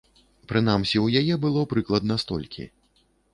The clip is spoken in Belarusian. Прынамсі, у яе было прыкладна столькі.